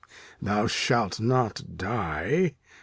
Thou shalt not die.